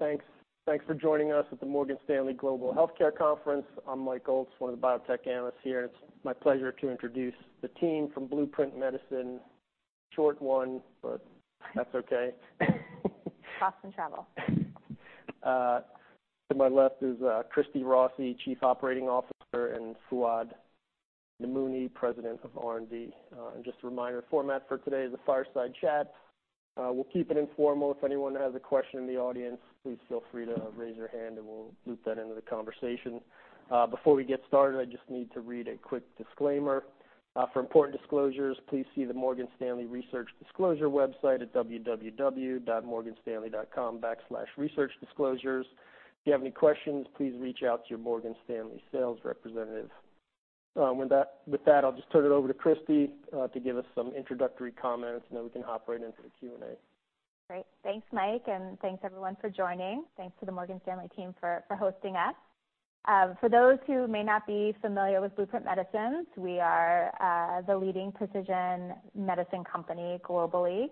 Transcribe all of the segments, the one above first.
Thanks, thanks for joining us at the Morgan Stanley Global Healthcare Conference. I'm Mike Ulz, one of the biotech analysts here, and it's my pleasure to introduce the team from Blueprint Medicines. Short one, but that's okay. Cost and travel. To my left is Christy Rossi, Chief Operating Officer, and Fouad Namouni, President of R&D. Just a reminder, format for today is a fireside chat. We'll keep it informal. If anyone has a question in the audience, please feel free to raise your hand, and we'll loop that into the conversation. Before we get started, I just need to read a quick disclaimer. For important disclosures, please see the Morgan Stanley Research Disclosure website at www.morganstanley.com/researchdisclosures. If you have any questions, please reach out to your Morgan Stanley sales representative. With that, I'll just turn it over to Christy to give us some introductory comments, and then we can open it into the Q&A. Great. Thanks, Mike, and thanks everyone for joining. Thanks to the Morgan Stanley team for hosting us. For those who may not be familiar with Blueprint Medicines, we are the leading precision medicine company globally.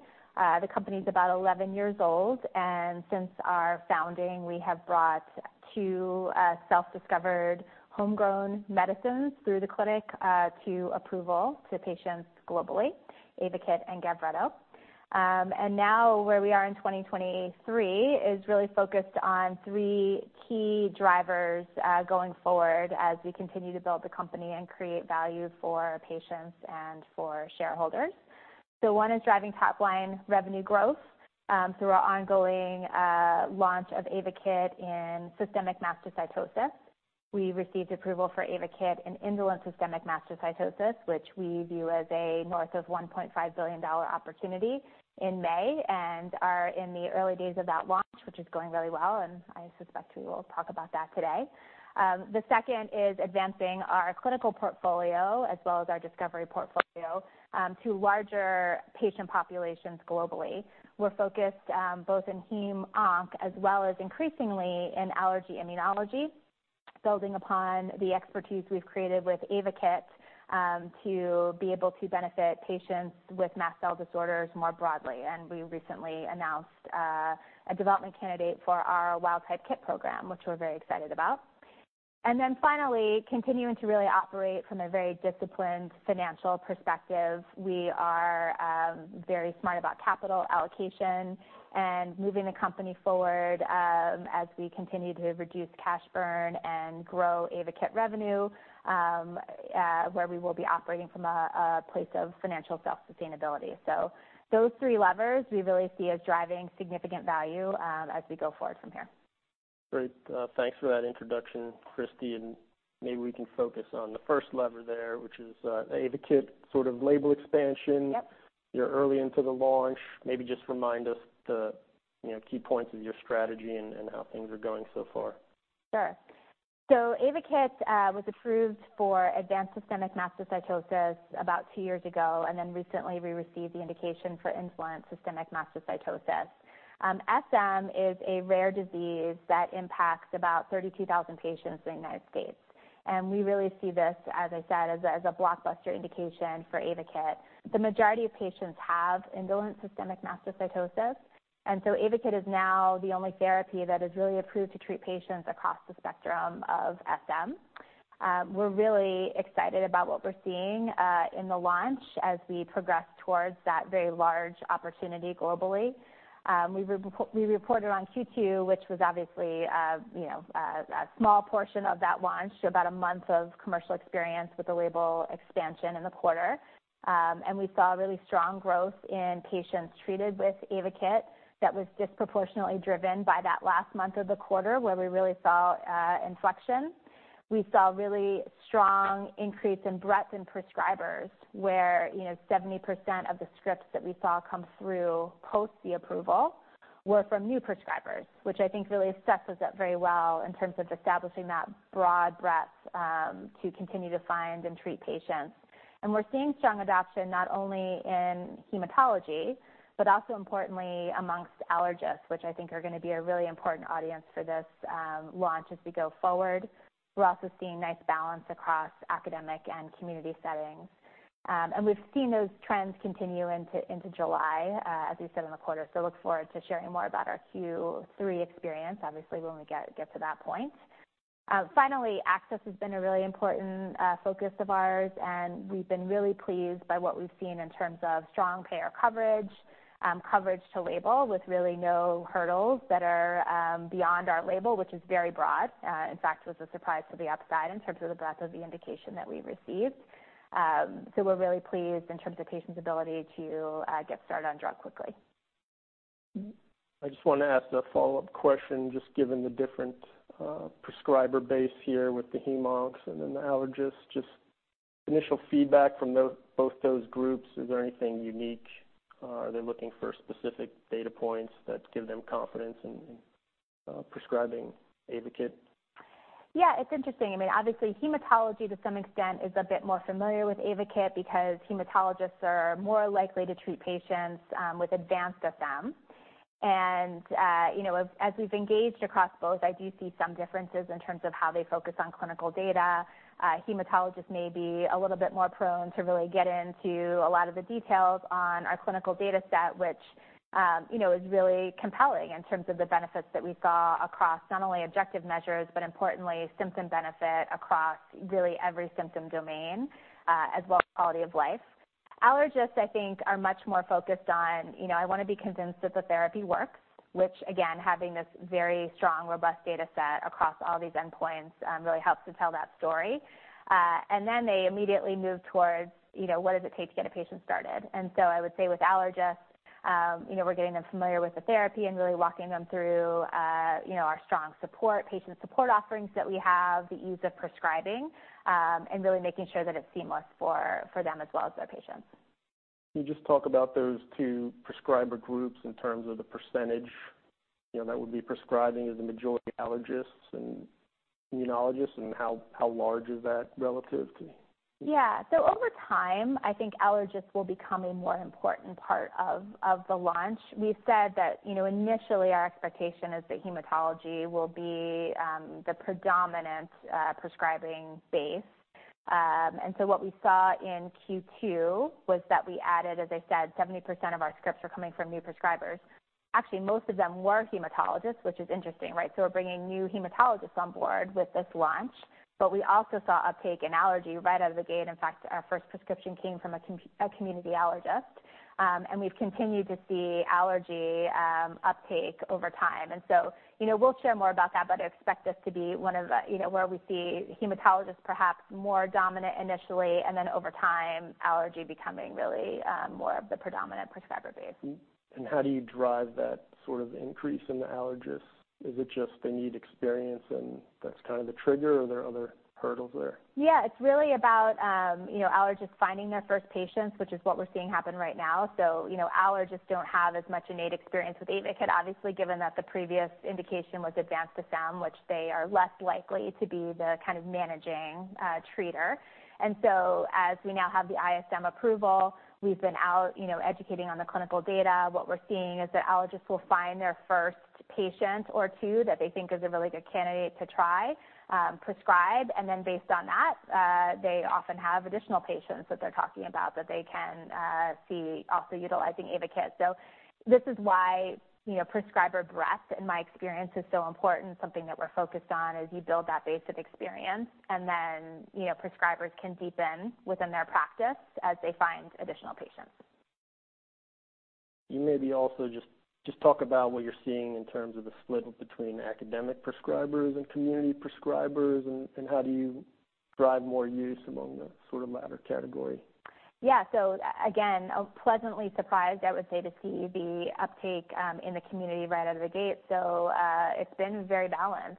The company is about 11 years old, and since our founding, we have brought two self-discovered homegrown medicines through the clinic to approval to patients globally, AYVAKIT and GAVRETO. And now, where we are in 2023, is really focused on three key drivers going forward as we continue to build the company and create value for patients and for shareholders. So one is driving top-line revenue growth through our ongoing launch of AYVAKIT in systemic mastocytosis. We received approval for AYVAKIT in indolent systemic mastocytosis, which we view as a north of $1.5 billion opportunity in May, and are in the early days of that launch, which is going really well, and I suspect we will talk about that today. The second is advancing our clinical portfolio as well as our discovery portfolio to larger patient populations globally. We're focused both in heme/onc as well as increasingly in Allergy/Immunology, building upon the expertise we've created with AYVAKIT to be able to benefit patients with mast cell disorders more broadly. And we recently announced a development candidate for our wild-type KIT program, which we're very excited about. And then finally, continuing to really operate from a very disciplined financial perspective. We are very smart about capital allocation and moving the company forward, as we continue to reduce cash burn and grow AYVAKIT revenue, where we will be operating from a place of financial self-sustainability. So those three levers, we really see as driving significant value, as we go forward from here. Great. Thanks for that introduction, Christy, and maybe we can focus on the first lever there, which is, AYVAKIT, sort of label expansion. Yep. You're early into the launch. Maybe just remind us the, you know, key points of your strategy and how things are going so far. Sure. So AYVAKIT was approved for advanced systemic mastocytosis about two years ago, and then recently we received the indication for indolent systemic mastocytosis. SM is a rare disease that impacts about 32,000 patients in the United States, and we really see this, as I said, as a blockbuster indication for AYVAKIT. The majority of patients have indolent systemic mastocytosis, and so AYVAKIT is now the only therapy that is really approved to treat patients across the spectrum of SM. We're really excited about what we're seeing in the launch as we progress towards that very large opportunity globally. We reported on Q2, which was obviously, you know, a small portion of that launch, so about a month of commercial experience with the label expansion in the quarter. And we saw really strong growth in patients treated with AYVAKIT that was disproportionately driven by that last month of the quarter, where we really saw inflection. We saw really strong increase in breadth in prescribers, where, you know, 70% of the scripts that we saw come through post the approval were from new prescribers, which I think really stresses it very well in terms of establishing that broad breadth to continue to find and treat patients. We're seeing strong adoption, not only in hematology, but also importantly among allergists, which I think are gonna be a really important audience for this launch as we go forward. We're also seeing nice balance across academic and community settings. We've seen those trends continue into July as we sit in the quarter. So look forward to sharing more about our Q3 experience, obviously, when we get to that point. Finally, access has been a really important focus of ours, and we've been really pleased by what we've seen in terms of strong payer coverage, coverage to label with really no hurdles that are beyond our label, which is very broad. In fact, it was a surprise to the upside in terms of the breadth of the indication that we received. So we're really pleased in terms of patients' ability to get started on drug quickly. I just want to ask a follow-up question, just given the different prescriber base here with the heme/oncs and then the allergists, just initial feedback from both those groups, is there anything unique? Are they looking for specific data points that give them confidence in prescribing AYVAKIT? Yeah, it's interesting. I mean, obviously, hematology, to some extent, is a bit more familiar with AYVAKIT because hematologists are more likely to treat patients with advanced SM. You know, as we've engaged across both, I do see some differences in terms of how they focus on clinical data. Hematologists may be a little bit more prone to really get into a lot of the details on our clinical data set, which, you know, is really compelling in terms of the benefits that we saw across not only objective measures, but importantly, symptom benefit across really every symptom domain, as well as quality of life. Allergists, I think, are much more focused on, you know, I wanna be convinced that the therapy works, which again, having this very strong, robust data set across all these endpoints, really helps to tell that story. And then they immediately move towards, you know, what does it take to get a patient started? And so I would say with allergists, you know, we're getting them familiar with the therapy and really walking them through, you know, our strong support, patient support offerings that we have, the ease of prescribing, and really making sure that it's seamless for them as well as their patients. Can you just talk about those two prescriber groups in terms of the percentage, you know, that would be prescribing as a majority allergists and immunologists, and how large is that relative to? Yeah. So over time, I think allergists will become a more important part of the launch. We've said that, you know, initially, our expectation is that hematology will be the predominant prescribing base. And so what we saw in Q2 was that we added, as I said, 70% of our scripts were coming from new prescribers. Actually, most of them were hematologists, which is interesting, right? So we're bringing new hematologists on board with this launch, but we also saw uptake in allergy right out of the gate. In fact, our first prescription came from a community allergist. We've continued to see allergy uptake over time, and so, you know, we'll share more about that, but expect this to be one of the, you know, where we see hematologists perhaps more dominant initially, and then over time, allergy becoming really more of the predominant prescriber base. How do you drive that sort of increase in the allergists? Is it just they need experience, and that's kind of the trigger, or are there other hurdles there? Yeah, it's really about, you know, allergists finding their first patients, which is what we're seeing happen right now. So, you know, allergists don't have as much innate experience with AYVAKIT, obviously, given that the previous indication was advanced SM, which they are less likely to be the kind of managing treater. And so as we now have the ISM approval, we've been out, you know, educating on the clinical data. What we're seeing is that allergists will find their first patient or two that they think is a really good candidate to try prescribe, and then based on that, they often have additional patients that they're talking about that they can see also utilizing AYVAKIT. This is why, you know, prescriber breadth, in my experience, is so important, something that we're focused on as you build that base of experience, and then, you know, prescribers can deepen within their practice as they find additional patients. You maybe also just talk about what you're seeing in terms of the split between academic prescribers and community prescribers, and how do you drive more use among the sort of latter category? Yeah. So again, I was pleasantly surprised, I would say, to see the uptake in the community right out of the gate. So, it's been very balanced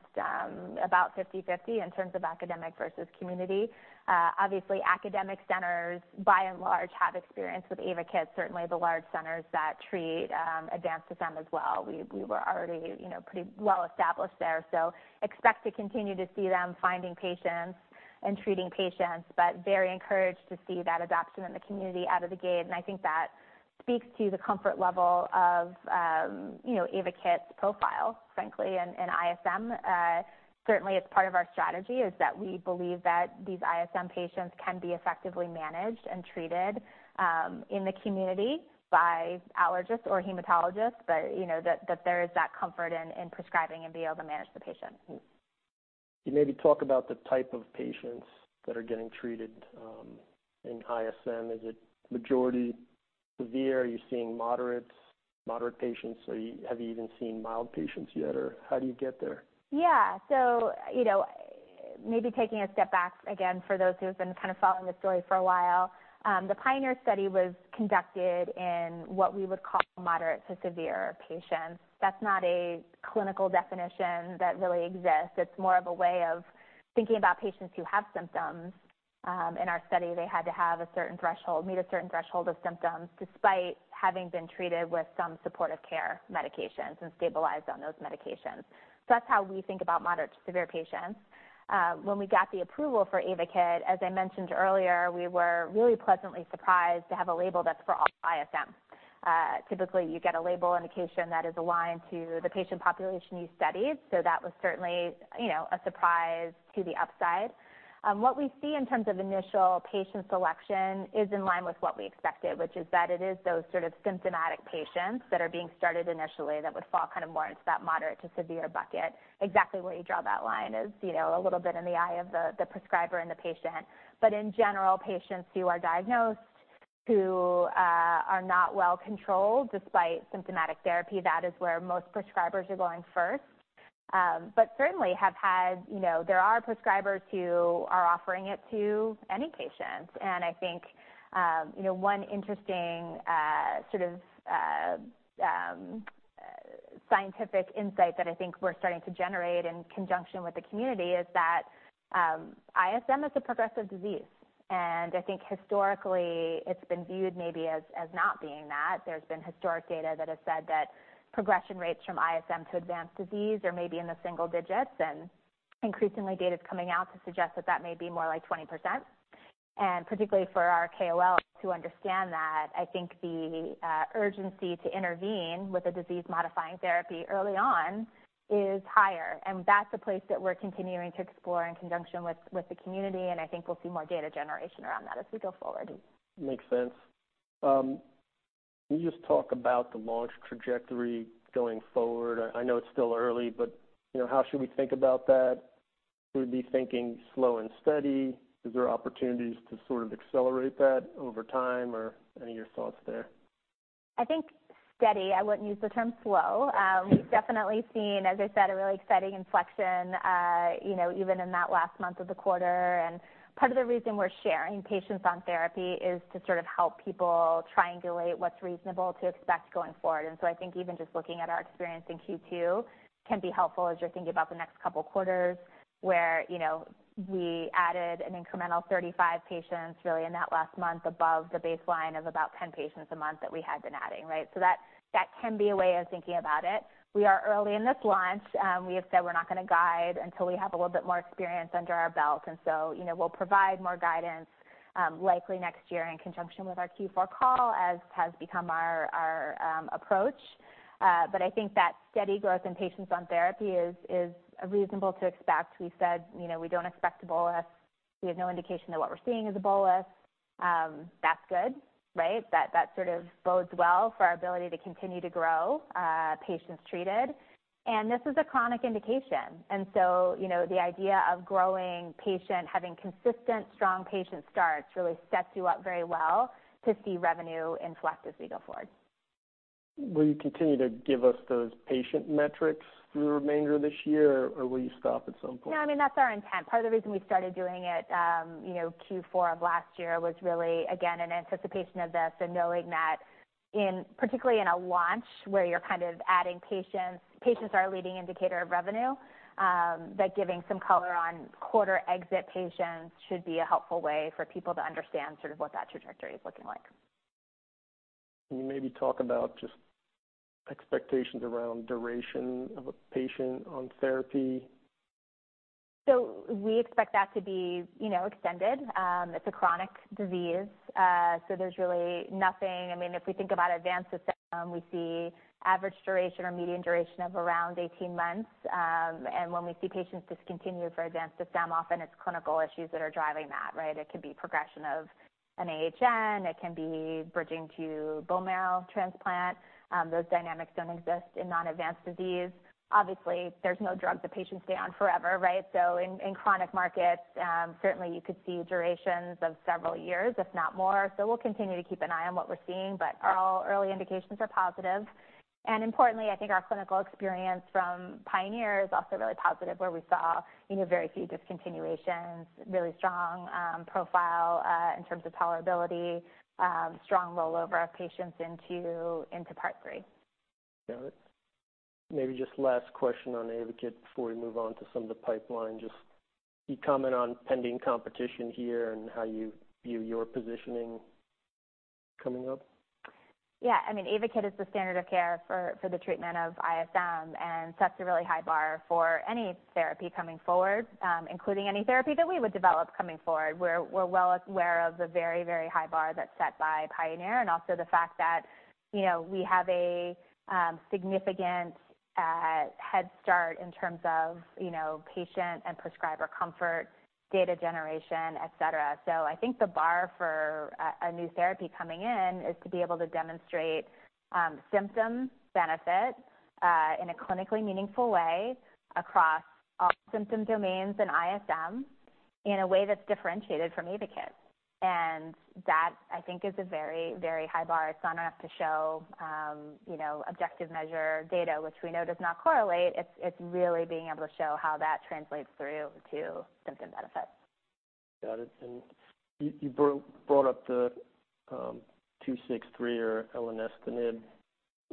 about 50/50 in terms of academic versus community. Obviously academic centers, by and large, have experience with AYVAKIT, certainly the large centers that treat advanced SM as well. We were already, you know, pretty well established there. So expect to continue to see them finding patients and treating patients, but very encouraged to see that adoption in the community out of the gate. And I think that speaks to the comfort level of, you know, AYVAKIT's profile, frankly, in ISM. Certainly it's part of our strategy, is that we believe that these ISM patients can be effectively managed and treated in the community by allergists or hematologists, but you know, that there is that comfort in prescribing and being able to manage the patient. Can you maybe talk about the type of patients that are getting treated in ISM? Is it majority severe? Are you seeing moderates, moderate patients, or have you even seen mild patients yet, or how do you get there? Yeah. So, you know, maybe taking a step back again, for those who have been kind of following the story for a while, the PIONEER study was conducted in what we would call moderate to severe patients. That's not a clinical definition that really exists. It's more of a way of thinking about patients who have symptoms. In our study, they had to meet a certain threshold of symptoms, despite having been treated with some supportive care medications and stabilized on those medications. So that's how we think about moderate to severe patients. When we got the approval for AYVAKIT, as I mentioned earlier, we were really pleasantly surprised to have a label that's for all ISM. Typically, you get a label indication that is aligned to the patient population you studied, so that was certainly, you know, a surprise to the upside. What we see in terms of initial patient selection is in line with what we expected, which is that it is those sort of symptomatic patients that are being started initially that would fall kind of more into that moderate to severe bucket. Exactly where you draw that line is, you know, a little bit in the eye of the prescriber and the patient. But in general, patients who are diagnosed, who are not well controlled despite symptomatic therapy, that is where most prescribers are going first. But certainly have had, you know, there are prescribers who are offering it to any patient. I think, you know, one interesting, sort of, scientific insight that I think we're starting to generate in conjunction with the community is that, ISM is a progressive disease. I think historically, it's been viewed maybe as, as not being that. There's been historic data that has said that progression rates from ISM to advanced disease are maybe in the single digits, and increasingly data is coming out to suggest that that may be more like 20%, and particularly for our KOLs to understand that, I think the urgency to intervene with a disease-modifying therapy early on is higher, and that's a place that we're continuing to explore in conjunction with the community, and I think we'll see more data generation around that as we go forward. Makes sense. Can you just talk about the launch trajectory going forward? I know it's still early, but, you know, how should we think about that? Should we be thinking slow and steady? Is there opportunities to sort of accelerate that over time, or any of your thoughts there? I think steady. I wouldn't use the term slow. We've definitely seen, as I said, a really exciting inflection, you know, even in that last month of the quarter. Part of the reason we're sharing patients on therapy is to sort of help people triangulate what's reasonable to expect going forward. So I think even just looking at our experience in Q2 can be helpful as you're thinking about the next couple quarters, where, you know, we added an incremental 35 patients really in that last month above the baseline of about 10 patients a month that we had been adding, right? So that, that can be a way of thinking about it. We are early in this launch. We have said we're not gonna guide until we have a little bit more experience under our belt, and so, you know, we'll provide more guidance, likely next year in conjunction with our Q4 call, as has become our approach. But I think that steady growth in patients on therapy is reasonable to expect. We said, you know, we don't expect a bolus. We have no indication that what we're seeing is a bolus. That's good, right? That sort of bodes well for our ability to continue to grow patients treated. And this is a chronic indication, and so, you know, the idea of growing patient, having consistent, strong patient starts really sets you up very well to see revenue inflect as we go forward. Will you continue to give us those patient metrics through the remainder of this year, or will you stop at some point? No, I mean, that's our intent. Part of the reason we started doing it, you know, Q4 of last year was really, again, in anticipation of this and knowing that in, particularly in a launch where you're kind of adding patients, patients are a leading indicator of revenue, that giving some color on quarter exit patients should be a helpful way for people to understand sort of what that trajectory is looking like. Can you maybe talk about just expectations around duration of a patient on therapy? So we expect that to be, you know, extended. It's a chronic disease, so there's really nothing, I mean, if we think about advanced systemic, we see average duration or median duration of around 18 months. And when we see patients discontinue for advanced systemic, often it's clinical issues that are driving that, right? It could be progression of an AHN, it can be bridging to bone marrow transplant. Those dynamics don't exist in non-advanced disease. Obviously, there's no drug that patients stay on forever, right? So in chronic markets, certainly you could see durations of several years, if not more. So we'll continue to keep an eye on what we're seeing, but all early indications are positive. Importantly, I think our clinical experience from PIONEER is also really positive, where we saw, you know, very few discontinuations, really strong profile in terms of tolerability, strong rollover of patients into Part 3. Got it. Maybe just last question on AYVAKIT before we move on to some of the pipeline. Just can you comment on pending competition here and how you view your positioning coming up? Yeah, I mean, AYVAKIT is the standard of care for, for the treatment of ISM, and sets a really high bar for any therapy coming forward, including any therapy that we would develop coming forward. We're, we're well aware of the very, very high bar that's set by PIONEER, and also the fact that, you know, we have a significant head start in terms of, you know, patient and prescriber comfort, data generation, et cetera. So I think the bar for a new therapy coming in is to be able to demonstrate symptom benefit in a clinically meaningful way across all symptom domains in ISM, in a way that's differentiated from AYVAKIT. And that, I think, is a very, very high bar. It's not enough to show, you know, objective measure data, which we know does not correlate. It's really being able to show how that translates through to symptom benefit. Got it. You brought up the 263 or elenestinib.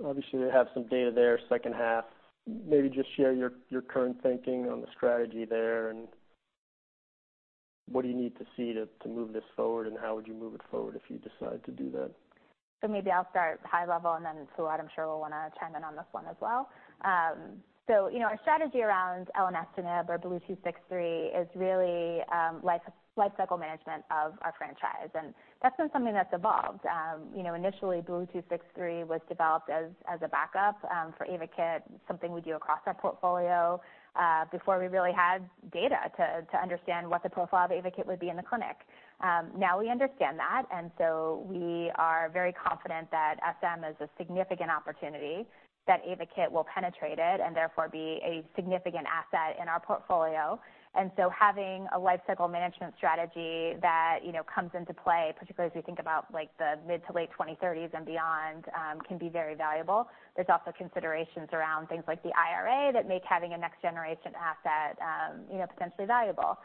Obviously, we have some data there, second half. Maybe just share your current thinking on the strategy there, and what do you need to see to move this forward, and how would you move it forward if you decide to do that? So maybe I'll start high level, and then Fouad, I'm sure, will wanna chime in on this one as well. So, you know, our strategy around elenestinib or BLU-263 is really life cycle management of our franchise, and that's been something that's evolved. You know, initially, BLU-263 was developed as a backup for AYVAKIT, something we do across our portfolio, before we really had data to understand what the profile of AYVAKIT would be in the clinic. Now we understand that, and so we are very confident that SM is a significant opportunity, that AYVAKIT will penetrate it and therefore be a significant asset in our portfolio. And so having a life cycle management strategy that, you know, comes into play, particularly as we think about, like, the mid- to late 2030s and beyond, can be very valuable. There's also considerations around things like the IRA, that make having a next-generation asset, you know, potentially valuable.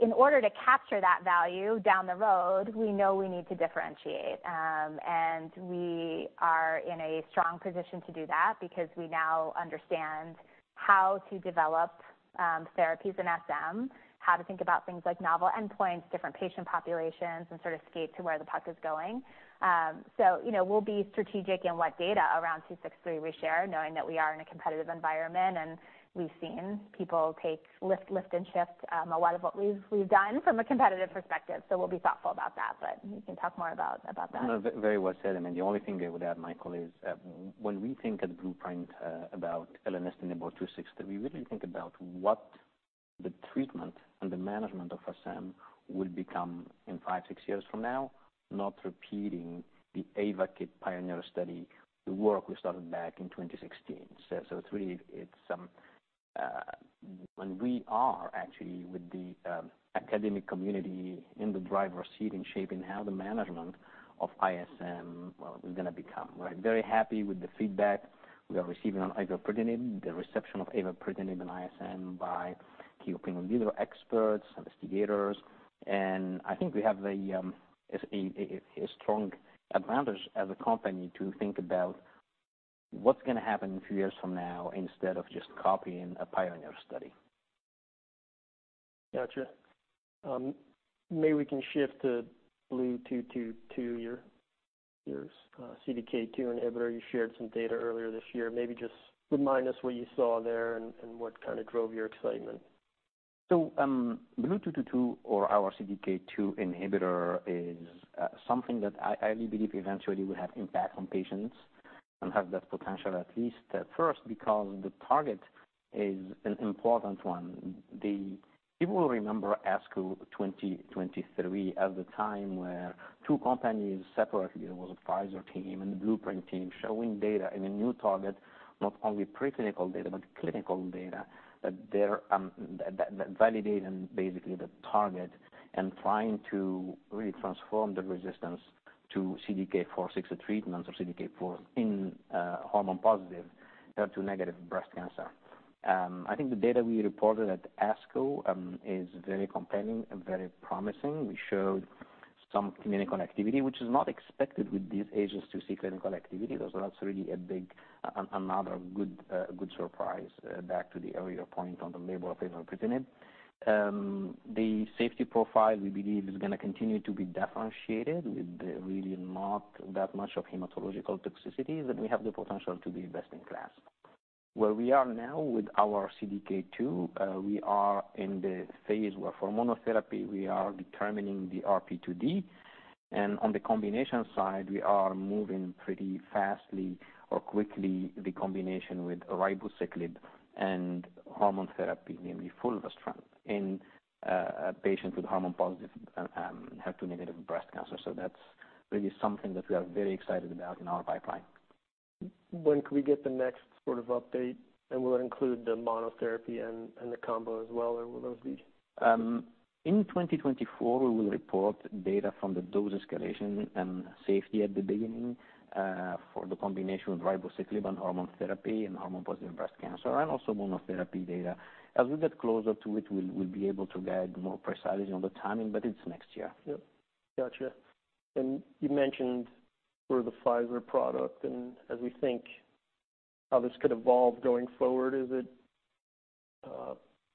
In order to capture that value down the road, we know we need to differentiate. And we are in a strong position to do that because we now understand how to develop therapies in SM, how to think about things like novel endpoints, different patient populations, and sort of skate to where the puck is going. So you know, we'll be strategic in what data around 263 we share, knowing that we are in a competitive environment, and we've seen people take lift, lift and shift a lot of what we've, we've done from a competitive perspective. So we'll be thoughtful about that, but you can talk more about, about that. No, very well said. I mean, the only thing I would add, Michael, is, when we think at Blueprint, about elenestinib or 263, we really think about what the treatment and the management of SM will become, in five to six years from now, not repeating the AYVAKIT PIONEER study, the work we started back in 2016. So it's really and we are actually with the academic community in the driver's seat, in shaping how the management of ISM, well, is going to become. We're very happy with the feedback we are receiving on avapritinib, the reception of avapritinib and ISM by key opinion leader experts, investigators. And I think we have a strong advantage as a company to think about what's going to happen a few years from now, instead of just copying a PIONEER study. Gotcha. Maybe we can shift to BLU-222, your, your, CDK2 inhibitor. You shared some data earlier this year. Maybe just remind us what you saw there and, and what kind of drove your excitement. So, BLU-222, or our CDK2 inhibitor, is something that I really believe eventually will have impact on patients and have that potential, at least at first, because the target is an important one. The people will remember ASCO 2023 as the time where two companies separately, it was a Pfizer team and Blueprint team, showing data in a new target, not only preclinical data, but clinical data, that they're validating basically the target and trying to really transform the resistance to CDK4/6 treatments or CDK4 in hormone-positive, HER2-negative breast cancer. I think the data we reported at ASCO is very compelling and very promising. We showed some clinical activity, which is not expected with these agents to see clinical activity. Those are also really a big, another good surprise, back to the earlier point on the label of avapritinib. The safety profile, we believe, is going to continue to be differentiated with really not that much of hematological toxicities, and we have the potential to be best in class. Where we are now with our CDK2, we are in the phase where for monotherapy, we are determining the RP2D. And on the combination side, we are moving pretty fastly or quickly, the combination with ribociclib and hormone therapy, namely fulvestrant, in a patient with hormone-positive, HER2-negative breast cancer. So that's really something that we are very excited about in our pipeline. When can we get the next sort of update, and will it include the monotherapy and the combo as well, or will those be? In 2024, we will report data from the dose escalation and safety at the beginning, for the combination of ribociclib and hormone therapy in hormone-positive breast cancer and also monotherapy data. As we get closer to it, we'll, we'll be able to guide more precisely on the timing, but it's next year. Yep. Gotcha. And you mentioned for the Pfizer product, and as we think how this could evolve going forward, is it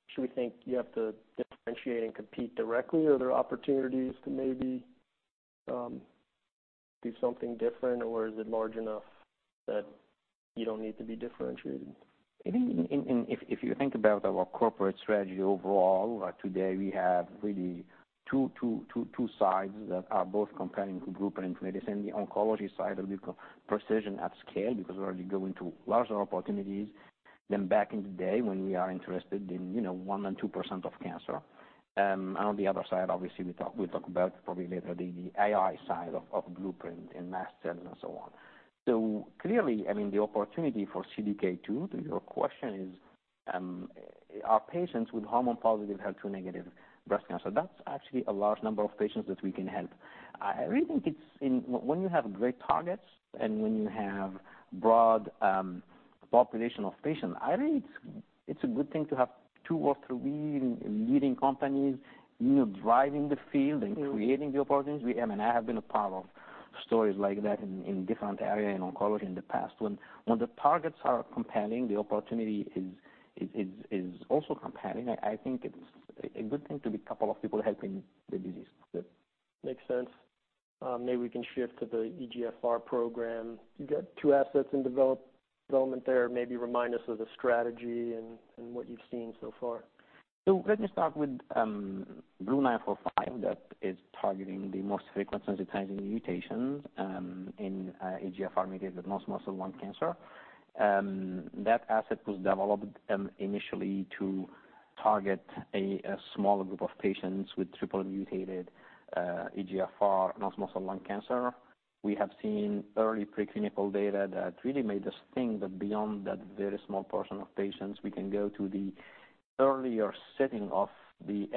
should we think you have to differentiate and compete directly, or are there opportunities to maybe do something different, or is it large enough that you don't need to be differentiated? I think if you think about our corporate strategy overall, today, we have really two sides that are both comparing to Blueprint Medicines. The oncology side will be precision at scale, because we're already going to larger opportunities than back in the day, when we are interested in, you know, 1% and 2% of cancer. And on the other side, obviously, we talk about probably later, the AI side of Blueprint and mast cell and so on. So clearly, I mean, the opportunity for CDK2, to your question, is are patients with hormone-positive, HER2-negative breast cancer. That's actually a large number of patients that we can help. I really think it's in, when you have great targets and when you have broad population of patients, I think it's a good thing to have two or three leading companies, you know, driving the field. Mm-hmm. And creating the opportunities. We, and I have been a part of stories like that in different areas in oncology in the past. When the targets are compelling, the opportunity is also compelling. I think it's a good thing to be a couple of people helping the disease. Makes sense. Maybe we can shift to the EGFR program. You got two assets in development there. Maybe remind us of the strategy and what you've seen so far. So let me start with BLU-945, that is targeting the most frequent sensitizing mutations in EGFR-mutated non-small cell lung cancer. That asset was developed initially to target a smaller group of patients with triple-mutated EGFR non-small cell lung cancer. We have seen early preclinical data that really made us think that beyond that very small portion of patients, we can go to the earlier setting of the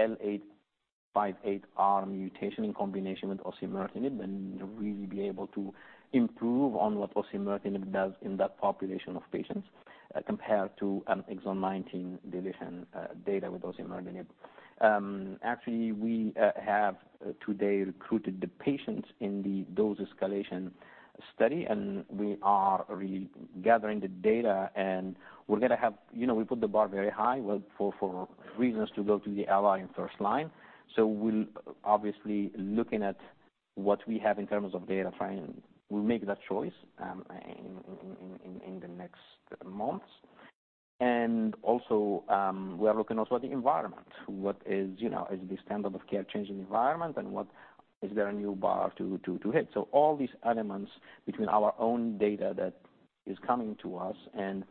L858R mutation in combination with osimertinib and really be able to improve on what osimertinib does in that population of patients, compared to an exon 19 deletion data with osimertinib. Actually, we have today recruited the patients in the dose escalation study, and we are really gathering the data, and we're going to have. You know, we put the bar very high, well, for reasons to go to the frontline in first line. So we'll obviously looking at what we have in terms of data, trying, we'll make that choice in the next months. And also, we are looking also at the environment. What is, you know, is the standard of care changing environment, and what is there a new bar to hit? So all these elements between our own data that is coming to us and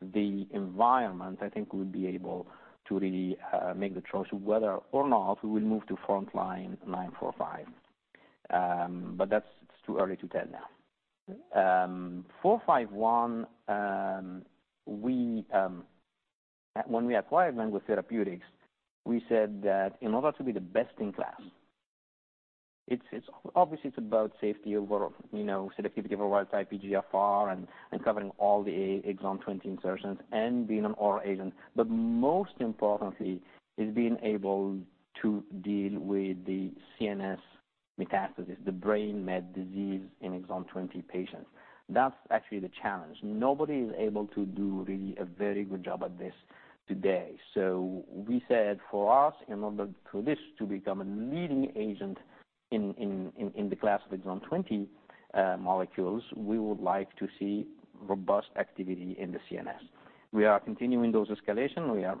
the environment, I think we'll be able to really make the choice whether or not we will move to frontline BLU-945. But that's too early to tell now. BLU-451, we, when we acquired Lengo Therapeutics, we said that in order to be the best in class, it's obviously about safety over, you know, selectivity over wild-type EGFR and covering all the exon 20 insertions and being an oral agent. But most importantly, is being able to deal with the CNS metastasis, the brain mets disease in exon 20 patients. That's actually the challenge. Nobody is able to do really a very good job at this today. So we said, for us, in order for this to become a leading agent in the class of exon 20 molecules, we would like to see robust activity in the CNS. We are continuing those escalation. We are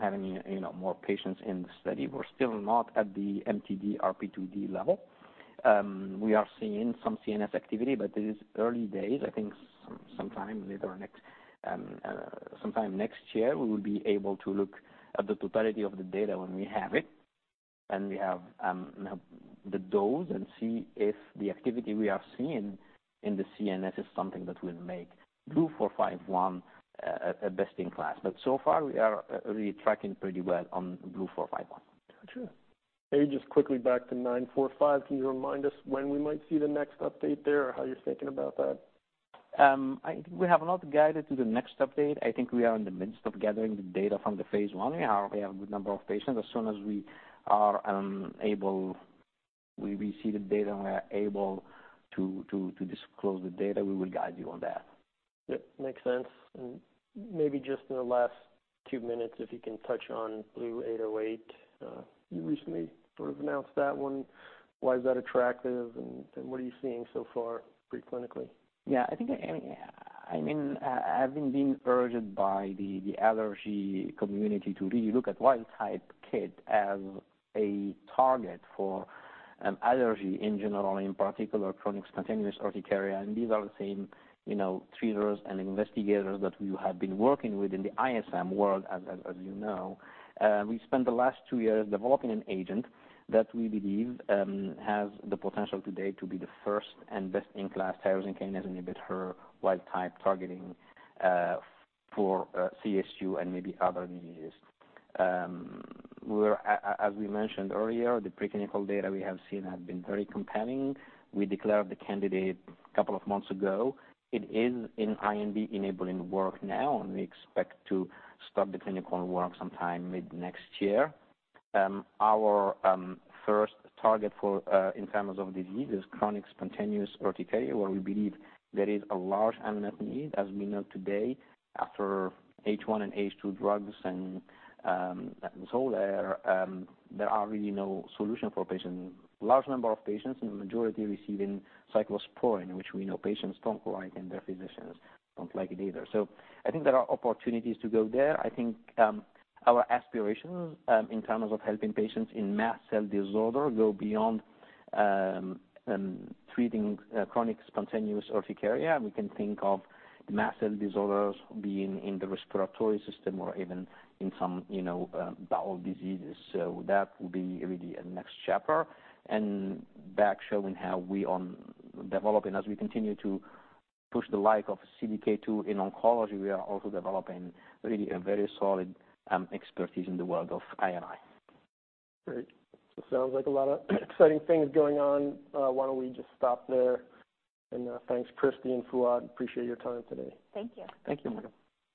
having, you know, more patients in the study. We're still not at the MTD, RP2D level. We are seeing some CNS activity, but it is early days. I think sometime next year, we will be able to look at the totality of the data when we have it, and we have the dose and see if the activity we are seeing in the CNS is something that will make BLU-451 a best-in-class. But so far, we are really tracking pretty well on BLU-451. Gotcha. Maybe just quickly back to 945, can you remind us when we might see the next update there, or how you're thinking about that? We have not guided to the next update. I think we are in the midst of gathering the data from the phase I. We have a good number of patients. As soon as we are able, we see the data and we are able to disclose the data, we will guide you on that. Yep. Makes sense. And maybe just in the last two minutes, if you can touch on BLU-808. You recently sort of announced that one. Why is that attractive, and, and what are you seeing so far pre-clinically? Yeah, I think, I mean, having been urged by the allergy community to really look at wild-type KIT as a target for allergy in general, in particular chronic spontaneous urticaria, and these are the same, you know, treaters and investigators that we have been working with in the ISM world, as you know. We spent the last two years developing an agent that we believe has the potential today to be the first and best-in-class tyrosine kinase inhibitor wild type targeting for CSU and maybe other diseases. As we mentioned earlier, the preclinical data we have seen have been very compelling. We declared the candidate a couple of months ago. It is in IND enabling work now, and we expect to start the clinical work sometime mid-next year. Our first target for in terms of disease is chronic spontaneous urticaria, where we believe there is a large unmet need. As we know today, after H1 and H2 drugs and, and so there, there are really no solution for patients. Large number of patients, and the majority receiving cyclosporine, which we know patients don't like, and their physicians don't like it either. So I think there are opportunities to go there. I think, our aspirations, in terms of helping patients in mast cell disorder go beyond, treating, chronic spontaneous urticaria. We can think of mast cell disorders being in the respiratory system or even in some, you know, bowel diseases. So that will be really a next chapter. back showing how we're developing, as we continue to push the likes of CDK2 in oncology, we are also developing really a very solid expertise in the world of ISM. Great. Sounds like a lot of exciting things going on. Why don't we just stop there? Thanks, Christy and Fouad. Appreciate your time today. Thank you. Thank you, Michael.